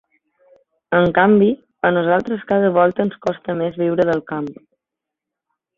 En canvi, a nosaltres cada volta ens costa més viure del camp.